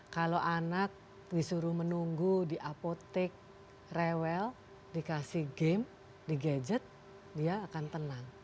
kalau anak disuruh menunggu di apotek rewel dikasih game di gadget dia akan tenang